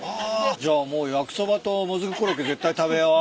じゃあもう焼きそばともずくコロッケ絶対食べよう。